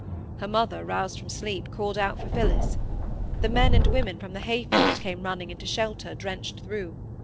Her mother, roused from sleep, called out for Phillis; the men and women from the hay field came running into shelter, drenched through.